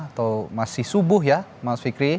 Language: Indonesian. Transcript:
atau masih subuh ya mas fikri